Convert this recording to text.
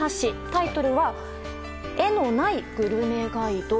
タイトルは「画のないグルメガイド」。